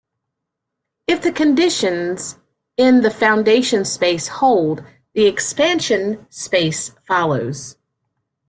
If the conditions in the foundation space hold, the expansion space follows.